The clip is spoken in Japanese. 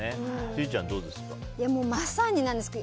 千里ちゃん、どうですか？